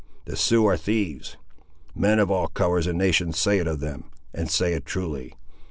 The Siouxes are thieves. Men of all colours and nations say it of them, and say it truly.